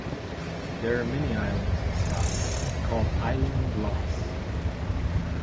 There are many islands in Scotland called Eilean Glas.